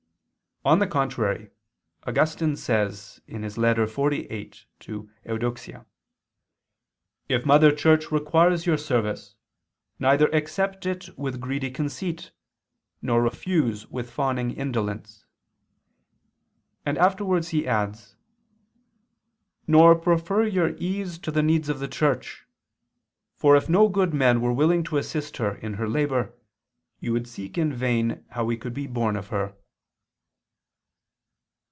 On the contrary, Augustine says (Ep. xlviii ad Eudox.): "If Mother Church requires your service, neither accept with greedy conceit, nor refuse with fawning indolence"; and afterwards he adds: "Nor prefer your ease to the needs of the Church: for if no good men were willing to assist her in her labor, you would seek in vain how we could be born of her."